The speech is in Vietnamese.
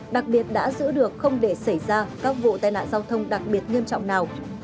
đặc biệt đã giữ được không để xảy ra các vụ tai nạn giao thông đặc biệt nghiêm trọng nào